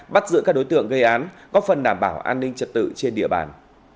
bắt giữ các đối tượng gây án góp phần đảm bảo an ninh trật tự trên địa bàn